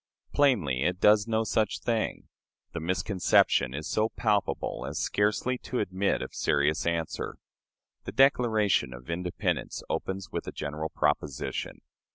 Plainly, it does no such thing. The misconception is so palpable as scarcely to admit of serious answer. The Declaration of Independence opens with a general proposition.